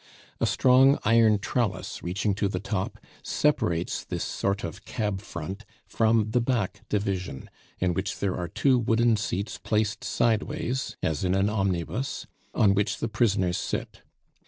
A strong iron trellis, reaching to the top, separates this sort of cab front from the back division, in which there are two wooden seats placed sideways, as in an omnibus, on which the prisoners sit.